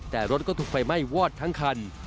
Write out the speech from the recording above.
แต่รถก็ถูกไฟไหม้วอดทั้งคัน